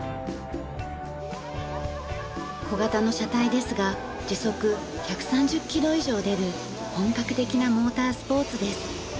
小型の車体ですが時速１３０キロ以上出る本格的なモータースポーツです。